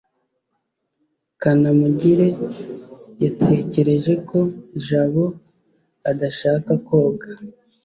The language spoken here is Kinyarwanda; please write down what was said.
kanamugire yatekereje ko jabo adashaka koga